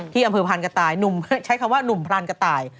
ที่อำเภอพลานกระต่ายใช้คำว่าหนุ่มพลานกระต่าย